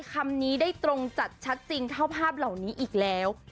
คำนี้ได้ตรงจัดชัดจริงเท่าภาพเหล่านี้อีกแล้ว